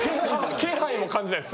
気配も感じないです。